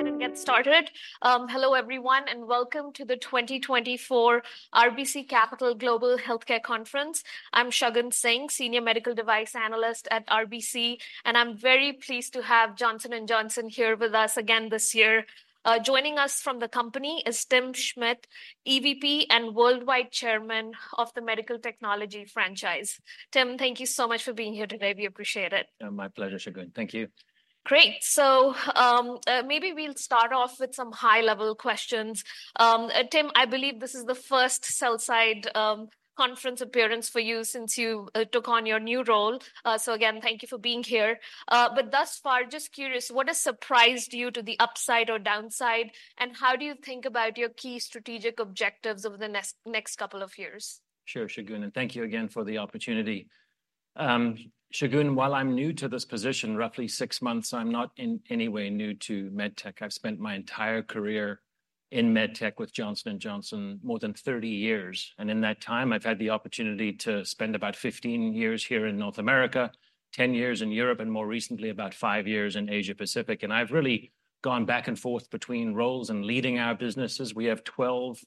Go ahead and get started. Hello, everyone, and welcome to the 2024 RBC Capital Global Healthcare Conference. I'm Shagun Singh, Senior Medical Device Analyst at RBC, and I'm very pleased to have Johnson & Johnson here with us again this year. Joining us from the company is Tim Schmid, EVP and Worldwide Chairman of the Medical Technology Franchise. Tim, thank you so much for being here today. We appreciate it. My pleasure, Shagun. Thank you. Great! So, maybe we'll start off with some high-level questions. Tim, I believe this is the first sell-side conference appearance for you since you took on your new role. So again, thank you for being here. But thus far, just curious, what has surprised you to the upside or downside, and how do you think about your key strategic objectives over the next couple of years? Sure, Shagun, and thank you again for the opportunity. Shagun, while I'm new to this position, roughly six months, I'm not in any way new to MedTech. I've spent my entire career in MedTech with Johnson & Johnson, more than 30 years, and in that time, I've had the opportunity to spend about 15 years here in North America, 10 years in Europe, and more recently, about five years in Asia Pacific, and I've really gone back and forth between roles and leading our businesses. We have 12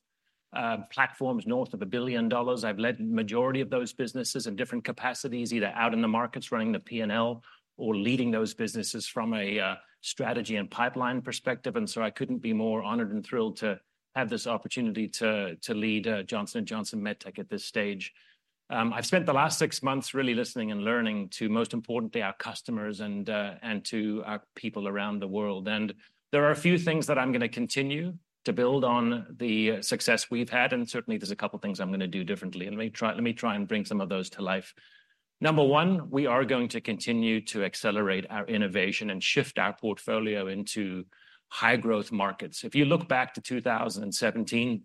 platforms north of $1 billion. I've led majority of those businesses in different capacities, either out in the markets running the P&L or leading those businesses from a strategy and pipeline perspective, and so I couldn't be more honored and thrilled to have this opportunity to lead Johnson & Johnson MedTech at this stage. I've spent the last six months really listening and learning, most importantly, to our customers and to our people around the world, and there are a few things that I'm gonna continue to build on the success we've had, and certainly there's a couple things I'm gonna do differently. Let me try and bring some of those to life. Number one, we are going to continue to accelerate our innovation and shift our portfolio into high-growth markets. If you look back to 2017,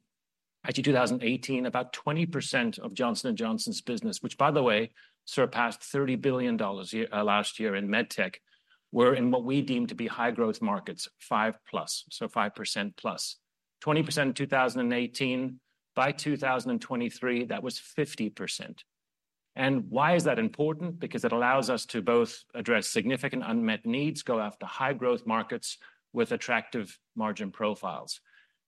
actually 2018, about 20% of Johnson & Johnson's business, which by the way, surpassed $30 billion a year last year in MedTech, were in what we deem to be high-growth markets, 5%+, so 5%+. 20% in 2018. By 2023, that was 50%. And why is that important? Because it allows us to both address significant unmet needs, go after high-growth markets with attractive margin profiles,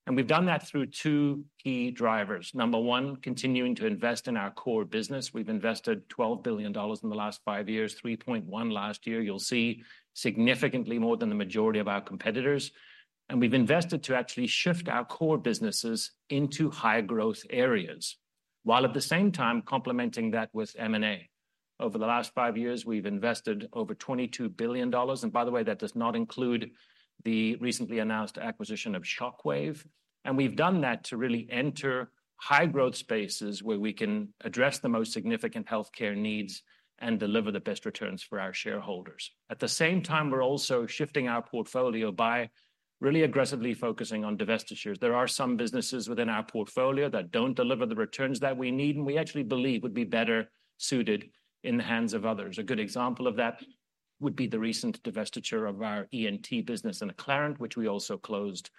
and we've done that through two key drivers. Number one, continuing to invest in our core business. We've invested $12 billion in the last five years, $3.1 billion last year. You'll see significantly more than the majority of our competitors, and we've invested to actually shift our core businesses into high-growth areas, while at the same time complementing that with M&A. Over the last five years, we've invested over $22 billion, and by the way, that does not include the recently announced acquisition of Shockwave, and we've done that to really enter high-growth spaces where we can address the most significant healthcare needs and deliver the best returns for our shareholders. At the same time, we're also shifting our portfolio by really aggressively focusing on divestitures. There are some businesses within our portfolio that don't deliver the returns that we need, and we actually believe would be better suited in the hands of others. A good example of that would be the recent divestiture of our ENT business in Acclarent, which we also closed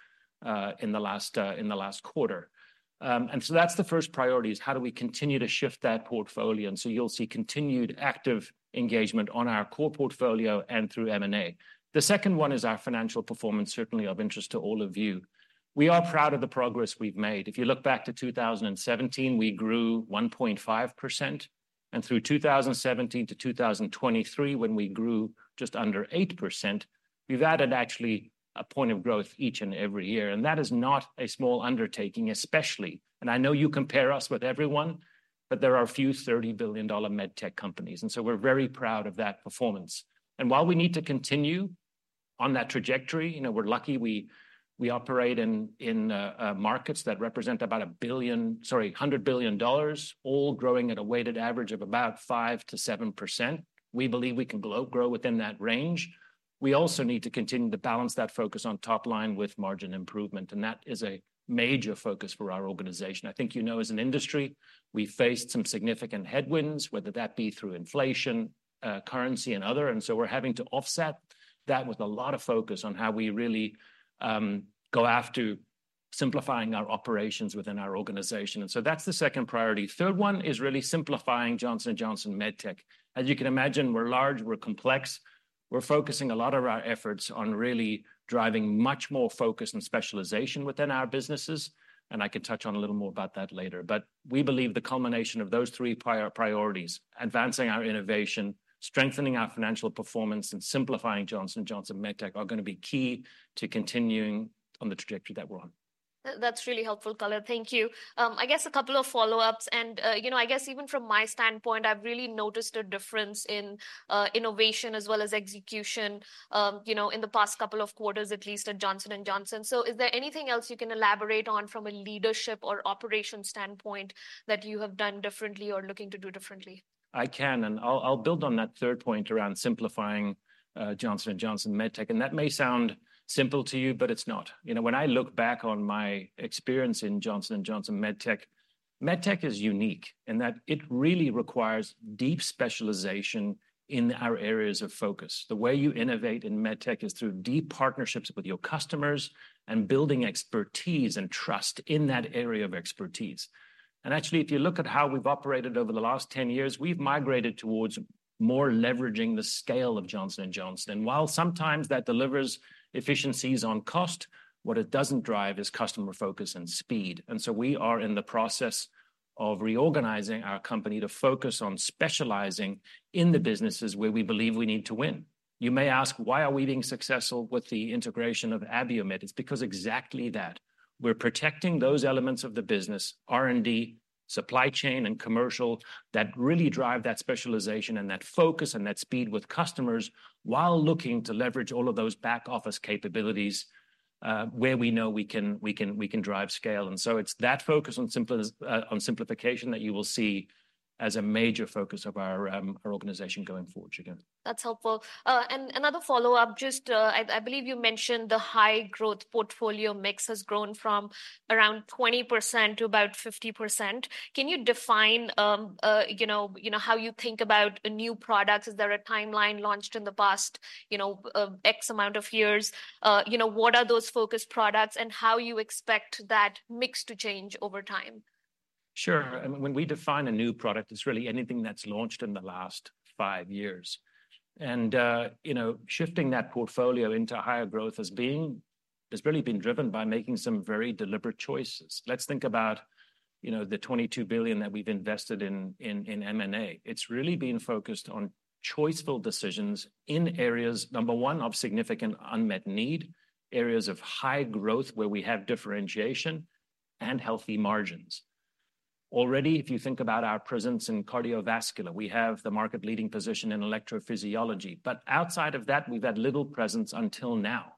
in the last quarter. And so that's the first priority, is how do we continue to shift that portfolio? So you'll see continued active engagement on our core portfolio and through M&A. The second one is our financial performance, certainly of interest to all of you. We are proud of the progress we've made. If you look back to 2017, we grew 1.5%, and through 2017 to 2023, when we grew just under 8%, we've added actually a point of growth each and every year, and that is not a small undertaking, especially. And I know you compare us with everyone, but there are a few $30 billion MedTech companies, and so we're very proud of that performance. And while we need to continue on that trajectory, you know, we're lucky we operate in markets that represent about $1 billion—sorry, $100 billion, all growing at a weighted average of about 5%-7%. We believe we can grow within that range. We also need to continue to balance that focus on top line with margin improvement, and that is a major focus for our organization. I think you know, as an industry, we've faced some significant headwinds, whether that be through inflation, currency, and other, and so we're having to offset that with a lot of focus on how we really go after simplifying our operations within our organization, and so that's the second priority. Third one is really simplifying Johnson & Johnson MedTech. As you can imagine, we're large, we're complex. We're focusing a lot of our efforts on really driving much more focus and specialization within our businesses, and I can touch on a little more about that later. We believe the culmination of those three priorities, advancing our innovation, strengthening our financial performance, and simplifying Johnson & Johnson MedTech, are gonna be key to continuing on the trajectory that we're on. That, that's really helpful color. Thank you. I guess a couple of follow-ups, and, you know, I guess even from my standpoint, I've really noticed a difference in, innovation as well as execution, you know, in the past couple of quarters, at least at Johnson & Johnson. So is there anything else you can elaborate on from a leadership or operations standpoint that you have done differently or looking to do differently? I can, and I'll, I'll build on that third point around simplifying Johnson & Johnson MedTech, and that may sound simple to you, but it's not. You know, when I look back on my experience in Johnson & Johnson MedTech, MedTech is unique in that it really requires deep specialization in our areas of focus. The way you innovate in MedTech is through deep partnerships with your customers and building expertise and trust in that area of expertise. And actually, if you look at how we've operated over the last 10 years, we've migrated towards more leveraging the scale of Johnson & Johnson. While sometimes that delivers efficiencies on cost, what it doesn't drive is customer focus and speed, and so we are in the process of reorganizing our company to focus on specializing in the businesses where we believe we need to win.... You may ask, why are we being successful with the integration of Abiomed? It's because exactly that. We're protecting those elements of the business, R&D, supply chain, and commercial, that really drive that specialization and that focus and that speed with customers, while looking to leverage all of those back-office capabilities, where we know we can drive scale. And so it's that focus on simplification that you will see as a major focus of our organization going forward, Shagun. That's helpful. And another follow-up, just, I believe you mentioned the high growth portfolio mix has grown from around 20% to about 50%. Can you define, you know, you know, how you think about new products? Is there a timeline launched in the past, you know, x amount of years? You know, what are those focus products, and how you expect that mix to change over time? Sure. And when we define a new product, it's really anything that's launched in the last five years. And, you know, shifting that portfolio into higher growth has really been driven by making some very deliberate choices. Let's think about, you know, the $22 billion that we've invested in M&A. It's really been focused on choiceful decisions in areas, number one, of significant unmet need, areas of high growth where we have differentiation and healthy margins. Already, if you think about our presence in cardiovascular, we have the market-leading position in electrophysiology, but outside of that, we've had little presence until now.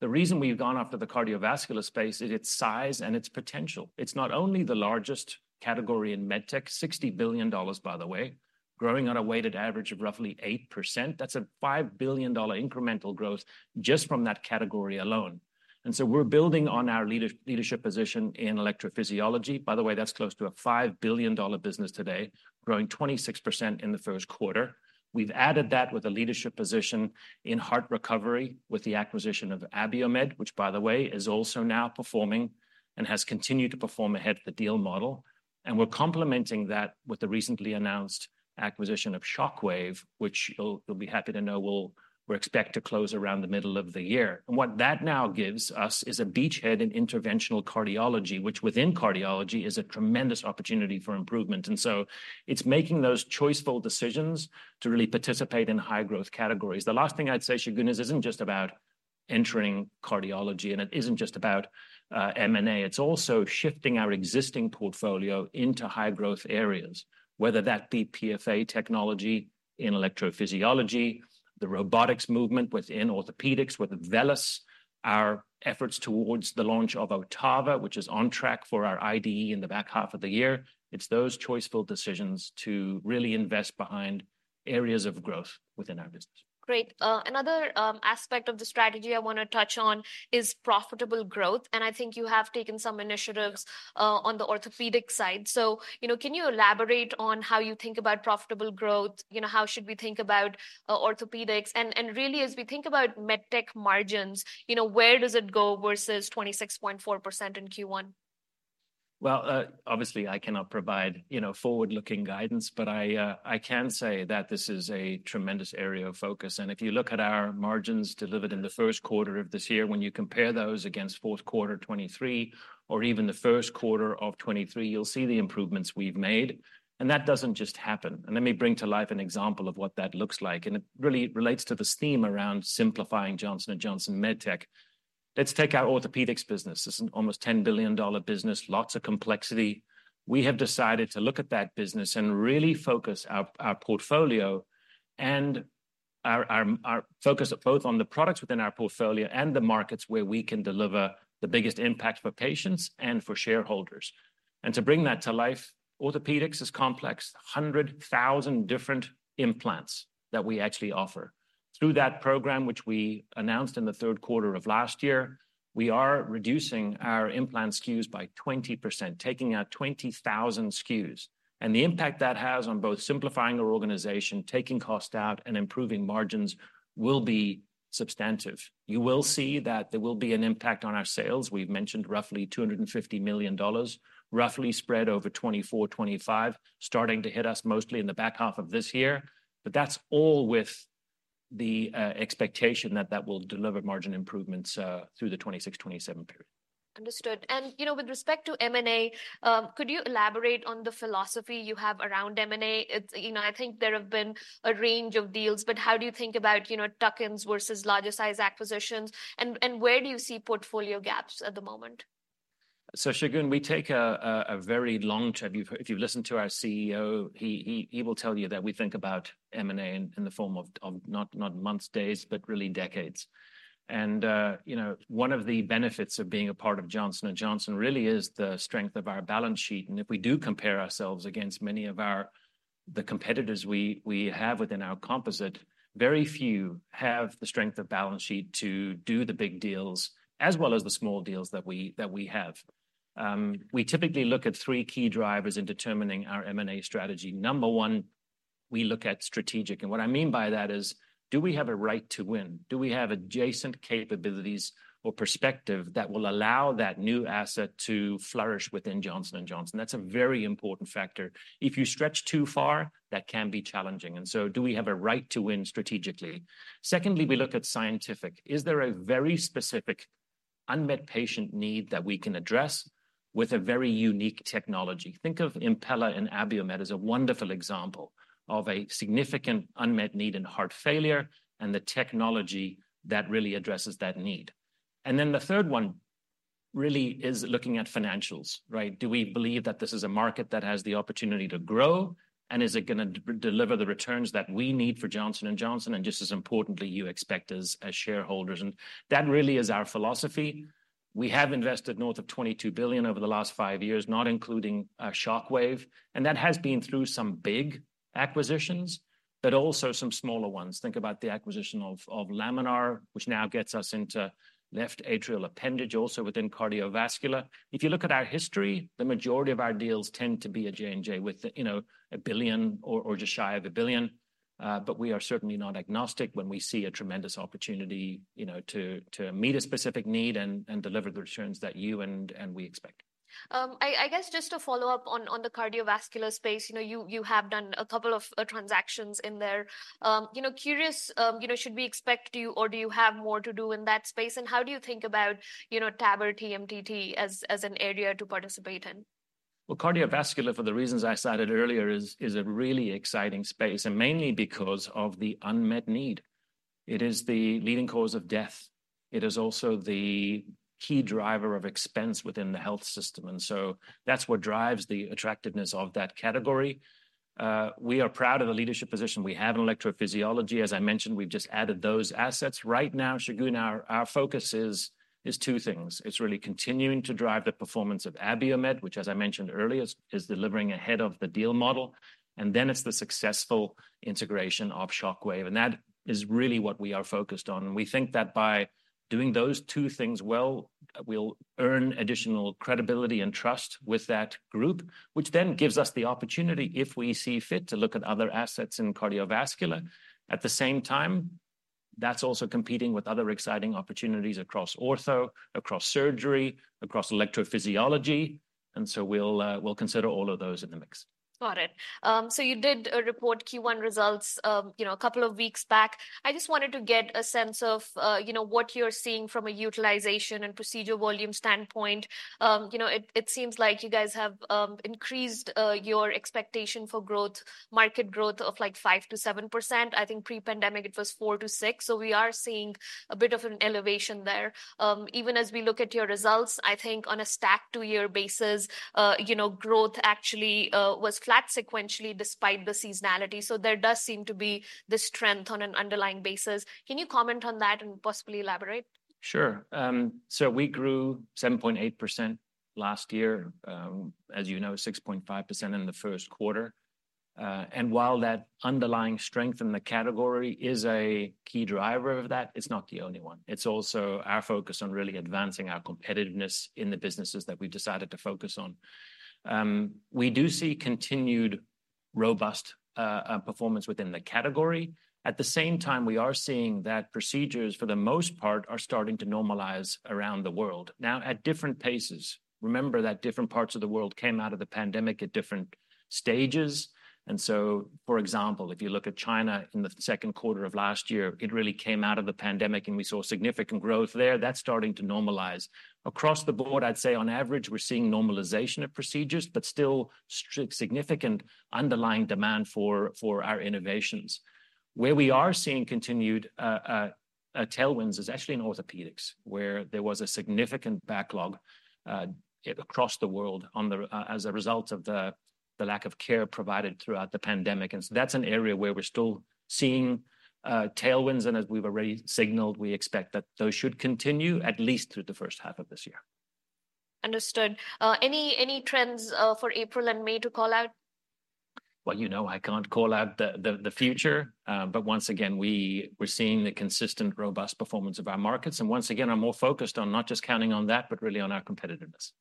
The reason we've gone after the cardiovascular space is its size and its potential. It's not only the largest category in MedTech, $60 billion, by the way, growing at a weighted average of roughly 8%. That's a $5 billion incremental growth just from that category alone. And so we're building on our leadership position in electrophysiology. By the way, that's close to a $5 billion business today, growing 26% in the first quarter. We've added that with a leadership position in heart recovery, with the acquisition of Abiomed, which, by the way, is also now performing and has continued to perform ahead of the deal model. And we're complementing that with the recently announced acquisition of Shockwave, which you'll be happy to know we expect to close around the middle of the year. And what that now gives us is a beachhead in interventional cardiology, which within cardiology, is a tremendous opportunity for improvement. And so it's making those choiceful decisions to really participate in high-growth categories. The last thing I'd say, Shagun, is it isn't just about entering cardiology, and it isn't just about, M&A. It's also shifting our existing portfolio into high-growth areas, whether that be PFA technology in electrophysiology, the robotics movement within orthopedics with VELYS, our efforts towards the launch of OTTAVA, which is on track for our IDE in the back half of the year. It's those choiceful decisions to really invest behind areas of growth within our business. Great. Another aspect of the strategy I wanna touch on is profitable growth, and I think you have taken some initiatives on the orthopedics side. So, you know, can you elaborate on how you think about profitable growth? You know, how should we think about orthopedics? And, and really, as we think about MedTech margins, you know, where does it go versus 26.4% in Q1? Well, obviously, I cannot provide, you know, forward-looking guidance, but I, I can say that this is a tremendous area of focus. If you look at our margins delivered in the first quarter of this year, when you compare those against fourth quarter 2023 or even the first quarter of 2023, you'll see the improvements we've made, and that doesn't just happen. Let me bring to life an example of what that looks like, and it really relates to this theme around simplifying Johnson & Johnson MedTech. Let's take our orthopedics business. It's an almost $10 billion business, lots of complexity. We have decided to look at that business and really focus our focus both on the products within our portfolio and the markets where we can deliver the biggest impact for patients and for shareholders. To bring that to life, orthopedics is complex: 100,000 different implants that we actually offer. Through that program, which we announced in the third quarter of last year, we are reducing our implant SKUs by 20%, taking out 20,000 SKUs. The impact that has on both simplifying our organization, taking cost out, and improving margins will be substantive. You will see that there will be an impact on our sales. We've mentioned roughly $250 million, roughly spread over 2024, 2025, starting to hit us mostly in the back half of this year. That's all with the expectation that that will deliver margin improvements through the 2026, 2027 period. Understood. And, you know, with respect to M&A, could you elaborate on the philosophy you have around M&A? You know, I think there have beeearn a range of deals, but how do you think about, you know, tuck-ins versus larger-size acquisitions? And where do you see portfolio gaps at the moment? So, Shagun, we take a very long-term... If you've listened to our CEO, he will tell you that we think about M&A in the form of not months, days, but really decades. And, you know, one of the benefits of being a part of Johnson & Johnson really is the strength of our balance sheet. And if we do compare ourselves against many of our the competitors we have within our composite, very few have the strength of balance sheet to do the big deals as well as the small deals that we have. We typically look at three key drivers in determining our M&A strategy. Number one, we look at strategic, and what I mean by that is: Do we have a right to win? Do we have adjacent capabilities or perspective that will allow that new asset to flourish within Johnson & Johnson? That's a very important factor. If you stretch too far, that can be challenging, and so do we have a right to win strategically? Secondly, we look at scientific. Is there a very specific unmet patient need that we can address with a very unique technology. Think of Impella and Abiomed as a wonderful example of a significant unmet need in heart failure, and the technology that really addresses that need. And then the third one really is looking at financials, right? Do we believe that this is a market that has the opportunity to grow, and is it gonna deliver the returns that we need for Johnson & Johnson, and just as importantly, you expect as, as shareholders? And that really is our philosophy. We have invested north of $22 billion over the last five years, not including Shockwave, and that has been through some big acquisitions, but also some smaller ones. Think about the acquisition of Laminar, which now gets us into left atrial appendage, also within cardiovascular. If you look at our history, the majority of our deals tend to be at J&J with, you know, $1 billion or just shy of $1 billion. But we are certainly not agnostic when we see a tremendous opportunity, you know, to meet a specific need and deliver the returns that you and we expect. I guess just to follow up on the cardiovascular space, you know, you have done a couple of transactions in there. You know, curious, should we expect you- or do you have more to do in that space? And how do you think about, you know, TAVR TMTT as an area to participate in? Well, cardiovascular, for the reasons I cited earlier, is a really exciting space, and mainly because of the unmet need. It is the leading cause of death. It is also the key driver of expense within the health system, and so that's what drives the attractiveness of that category. We are proud of the leadership position we have in electrophysiology. As I mentioned, we've just added those assets. Right now, Shagun, our focus is two things. It's really continuing to drive the performance of Abiomed, which, as I mentioned earlier, is delivering ahead of the deal model, and then it's the successful integration of Shockwave, and that is really what we are focused on. We think that by doing those two things well, we'll earn additional credibility and trust with that group, which then gives us the opportunity, if we see fit, to look at other assets in cardiovascular. At the same time, that's also competing with other exciting opportunities across ortho, across surgery, across electrophysiology, and so we'll consider all of those in the mix. Got it. So you did a report Q1 results, you know, a couple of weeks back. I just wanted to get a sense of, you know, what you're seeing from a utilization and procedure volume standpoint. You know, it seems like you guys have increased your expectation for growth, market growth of, like, 5%-7%. I think pre-pandemic it was 4%-6%, so we are seeing a bit of an elevation there. Even as we look at your results, I think on a stack two-year basis, you know, growth actually was flat sequentially despite the seasonality, so there does seem to be this trend on an underlying basis. Can you comment on that and possibly elaborate? Sure. So we grew 7.8% last year, as you know, 6.5% in the first quarter. And while that underlying strength in the category is a key driver of that, it's not the only one. It's also our focus on really advancing our competitiveness in the businesses that we've decided to focus on. We do see continued robust performance within the category. At the same time, we are seeing that procedures, for the most part, are starting to normalize around the world, now, at different paces. Remember that different parts of the world came out of the pandemic at different stages, and so, for example, if you look at China in the second quarter of last year, it really came out of the pandemic, and we saw significant growth there. That's starting to normalize. Across the board, I'd say on average, we're seeing normalization of procedures, but still significant underlying demand for our innovations. Where we are seeing continued tailwinds is actually in orthopedics, where there was a significant backlog across the world as a result of the lack of care provided throughout the pandemic, and so that's an area where we're still seeing tailwinds, and as we've already signaled, we expect that those should continue at least through the first half of this year. Understood. Any trends for April and May to call out? Well, you know I can't call out the future, but once again, we're seeing the consistent, robust performance of our markets. And once again, I'm more focused on not just counting on that, but really on our competitiveness.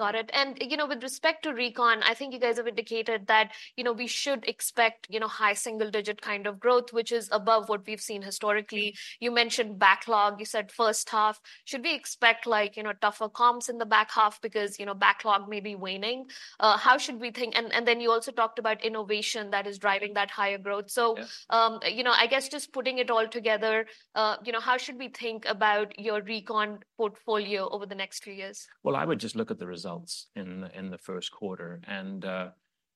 Got it. You know, with respect to recon, I think you guys have indicated that, you know, we should expect, you know, high single-digit kind of growth, which is above what we've seen historically. You mentioned backlog, you said first half. Should we expect like, you know, tougher comps in the back half because, you know, backlog may be waning? How should we think... And then you also talked about innovation that is driving that higher growth. Yeah. So, you know, I guess just putting it all together, you know, how should we think about your recon portfolio over the next few years? Well, I would just look at the results in the first quarter, and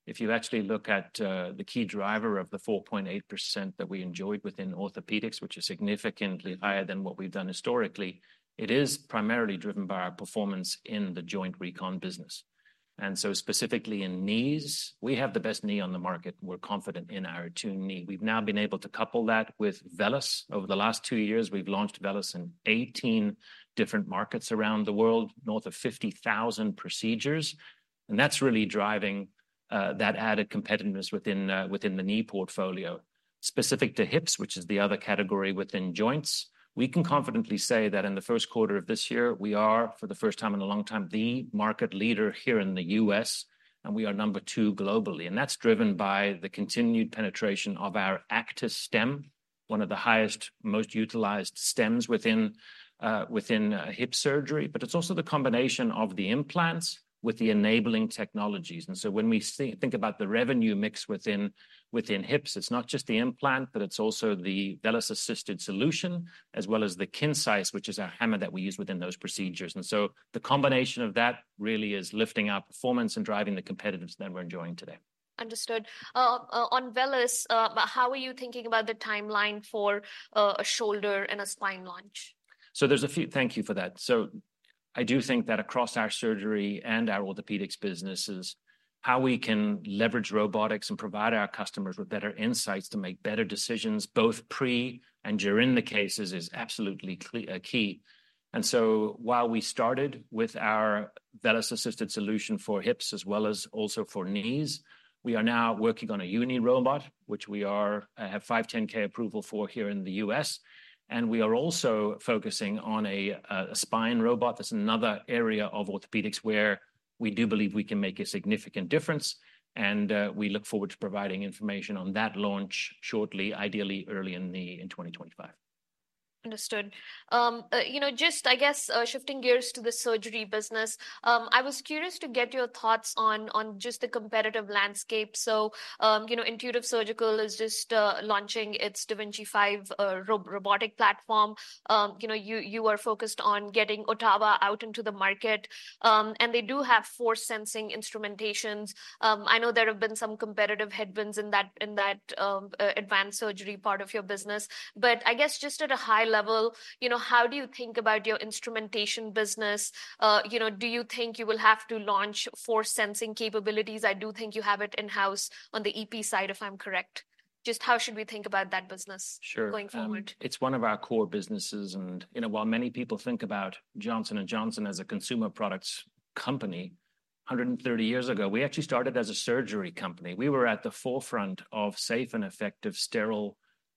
if you actually look at the key driver of the 4.8% that we enjoyed within orthopedics, which is significantly higher than what we've done historically, it is primarily driven by our performance in the joint recon business. And so specifically in knees, we have the best knee on the market. We're confident in our ATTUNE Knee. We've now been able to couple that with VELYS. Over the last two years, we've launched VELYS in 18 different markets around the world, north of 50,000 procedures, and that's really driving that added competitiveness within the knee portfolio. Specific to hips, which is the other category within joints, we can confidently say that in the first quarter of this year, we are, for the first time in a long time, the market leader here in the U.S., and we are number two globally, and that's driven by the continued penetration of our ACTIS stem, one of the highest, most utilized stems within hip surgery, but it's also the combination of the implants with the enabling technologies. And so when we think about the revenue mix within hips, it's not just the implant, but it's also the VELYS-assisted solution, as well as the KINCISE, which is our hammer that we use within those procedures. And so the combination of that really is lifting our performance and driving the competitiveness that we're enjoying today. Understood. On VELYS, how are you thinking about the timeline for a shoulder and a spine launch? Thank you for that. So I do think that across our surgery and our orthopedics businesses, how we can leverage robotics and provide our customers with better insights to make better decisions, both pre and during the cases, is absolutely key. And so, while we started with our VELYS-assisted solution for hips as well as also for knees, we are now working on a uni robot, which we have 510(k) approval for here in the U.S., and we are also focusing on a spine robot. That's another area of orthopedics where we do believe we can make a significant difference, and we look forward to providing information on that launch shortly, ideally early in 2025. Understood. You know, just, I guess, shifting gears to the surgery business, I was curious to get your thoughts on just the competitive landscape. So, you know, Intuitive Surgical is just launching its da Vinci 5 robotic platform. You know, you are focused on getting OTTAVA out into the market, and they do have force sensing instrumentations. I know there have been some competitive headwinds in that advanced surgery part of your business, but I guess just at a high level, you know, how do you think about your instrumentation business? You know, do you think you will have to launch force sensing capabilities? I do think you have it in-house on the EP side, if I'm correct. Just how should we think about that business? Sure... going forward? It's one of our core businesses, and, you know, while many people think about Johnson & Johnson as a consumer products company, 130 years ago, we actually started as a surgery company. We were at the forefront of safe and effective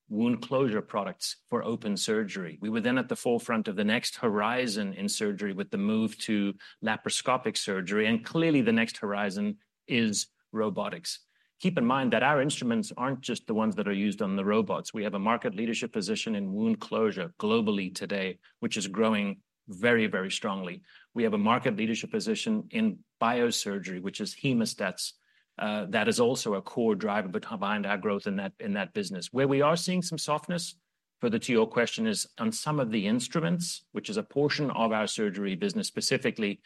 sterile wound closure products for open surgery. We were then at the forefront of the next horizon in surgery with the move to laparoscopic surgery, and clearly, the next horizon is robotics. Keep in mind that our instruments aren't just the ones that are used on the robots. We have a market leadership position in wound closure globally today, which is growing very, very strongly. We have a market leadership position in biosurgery, which is hemostats. That is also a core driver behind our growth in that, in that business. Where we are seeing some softness, further to your question, is on some of the instruments, which is a portion of our surgery business, specifically,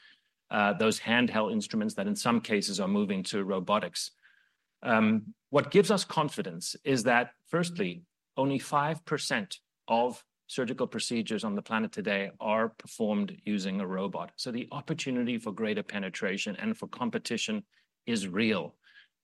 those handheld instruments that, in some cases, are moving to robotics. What gives us confidence is that, firstly, only 5% of surgical procedures on the planet today are performed using a robot, so the opportunity for greater penetration and for competition is real.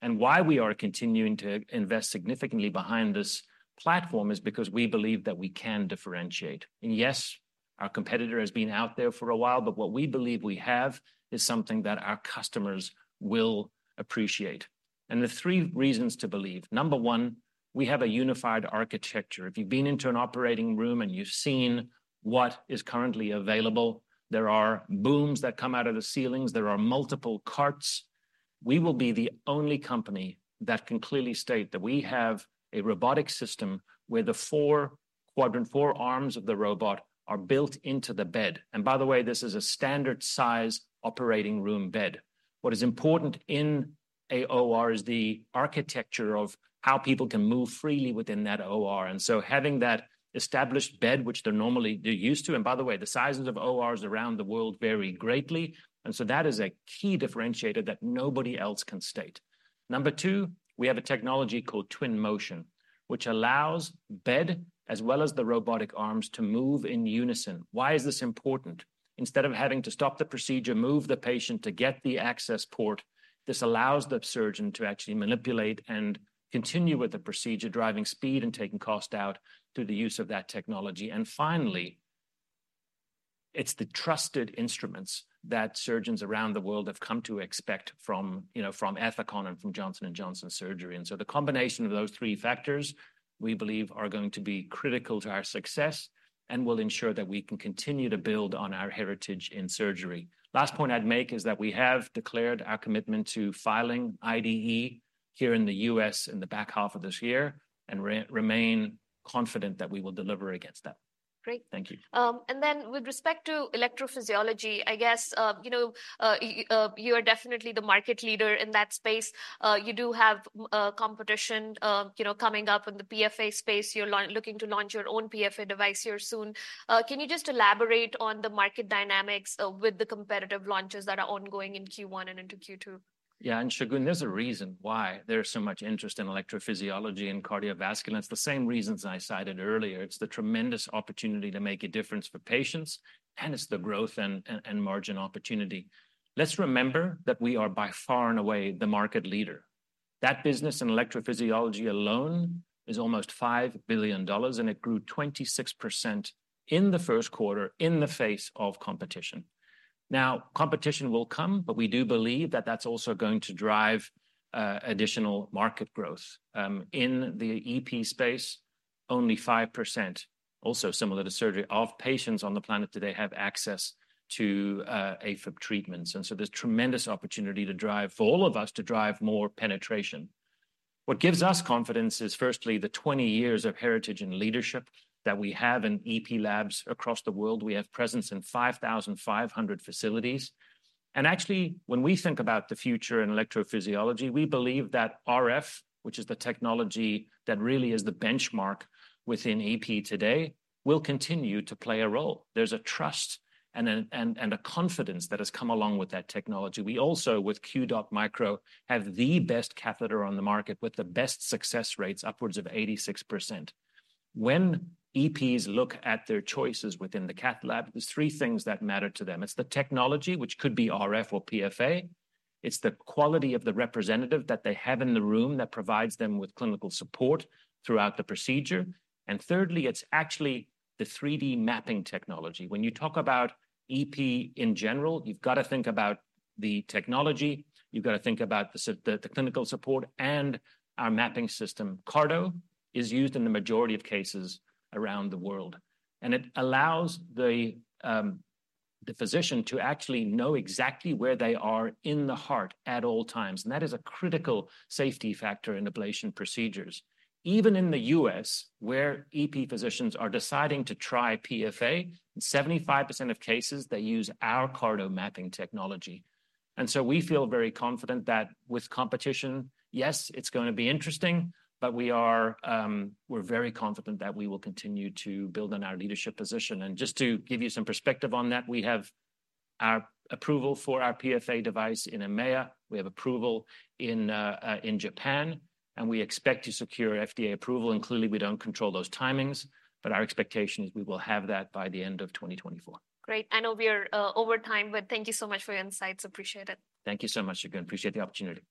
And why we are continuing to invest significantly behind this platform is because we believe that we can differentiate. And yes, our competitor has been out there for a while, but what we believe we have is something that our customers will appreciate. And there are three reasons to believe: number one, we have a unified architecture. If you've been into an operating room and you've seen what is currently available, there are booms that come out of the ceilings. There are multiple carts. We will be the only company that can clearly state that we have a robotic system where the four quadrant, four arms of the robot are built into the bed. And by the way, this is a standard-size operating room bed. What is important in a OR is the architecture of how people can move freely within that OR. And so having that established bed, which they're normally used to... And by the way, the sizes of ORs around the world vary greatly, and so that is a key differentiator that nobody else can state. Number two, we have a technology called Twin Motion, which allows bed, as well as the robotic arms, to move in unison. Why is this important? Instead of having to stop the procedure, move the patient to get the access port, this allows the surgeon to actually manipulate and continue with the procedure, driving speed and taking cost out through the use of that technology. Finally, it's the trusted instruments that surgeons around the world have come to expect from, you know, from Ethicon and from Johnson & Johnson Surgery. So the combination of those three factors, we believe, are going to be critical to our success and will ensure that we can continue to build on our heritage in surgery. Last point I'd make is that we have declared our commitment to filing IDE here in the U.S. in the back half of this year, and remain confident that we will deliver against that. Great. Thank you. And then with respect to electrophysiology, I guess, you know, you are definitely the market leader in that space. You do have, competition, you know, coming up in the PFA space. You're looking to launch your own PFA device here soon. Can you just elaborate on the market dynamics, with the competitive launches that are ongoing in Q1 and into Q2? Yeah, and Shagun, there's a reason why there is so much interest in electrophysiology and cardiovascular. It's the same reasons I cited earlier. It's the tremendous opportunity to make a difference for patients, and it's the growth and margin opportunity. Let's remember that we are, by far and away, the market leader. That business in electrophysiology alone is almost $5 billion, and it grew 26% in the first quarter in the face of competition. Now, competition will come, but we do believe that that's also going to drive additional market growth. In the EP space, only 5% also similar to surgery, of patients on the planet today have access to AFib treatments. And so there's tremendous opportunity to drive, for all of us to drive more penetration. What gives us confidence is, firstly, the 20 years of heritage and leadership that we have in EP labs across the world. We have presence in 5,500 facilities. Actually, when we think about the future in electrophysiology, we believe that RF, which is the technology that really is the benchmark within EP today, will continue to play a role. There's a trust and a confidence that has come along with that technology. We also, with QDOT MICRO, have the best catheter on the market with the best success rates, upwards of 86%. When EPs look at their choices within the cath lab, there's three things that matter to them. It's the technology, which could be RF or PFA. It's the quality of the representative that they have in the room that provides them with clinical support throughout the procedure. And thirdly, it's actually the 3D mapping technology. When you talk about EP in general, you've gotta think about the technology, you've gotta think about the clinical support, and our mapping system. CARTO is used in the majority of cases around the world, and it allows the physician to actually know exactly where they are in the heart at all times, and that is a critical safety factor in ablation procedures. Even in the U.S., where EP physicians are deciding to try PFA, in 75% of cases, they use our CARTO mapping technology. And so we feel very confident that with competition, yes, it's gonna be interesting, but we are, we're very confident that we will continue to build on our leadership position. And just to give you some perspective on that, we have our approval for our PFA device in EMEA, we have approval in Japan, and we expect to secure FDA approval. And clearly, we don't control those timings, but our expectation is we will have that by the end of 2024. Great. I know we are over time, but thank you so much for your insights. Appreciate it. Thank you so much again. Appreciate the opportunity.